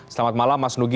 selamat malam mas nugi